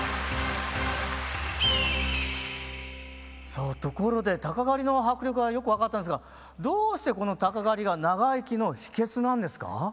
さあところで鷹狩りの迫力はよく分かったんですがどうしてこの鷹狩りが長生きの秘訣なんですか？